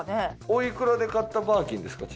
おいくらで買ったバーキンですか？